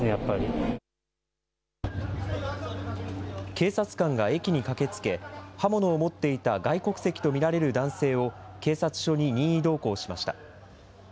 警察官が駅に駆けつけ、刃物を持っていた外国籍と見られる男性を警察署に任意同行しました。